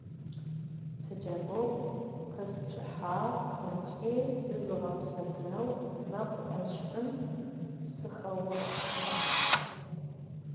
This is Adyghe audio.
Sıceguğ, khesççıhağ ıç'i zızğepsefıneu mekhu eş'um sıxeğolhhağ.